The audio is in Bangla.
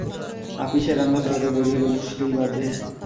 আপিসের রান্না চড়াতে দেরি হলে মুশকিল বাধবে।